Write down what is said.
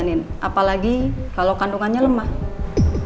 terus kapan kita bisa melakukan kandunganor caregivers